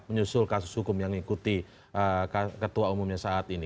menyusul kasus hukum yang mengikuti ketua umumnya saat ini